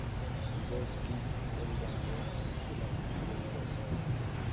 Ross King fue el ganador de la primera serie.